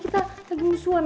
saya sudah seilik di luarop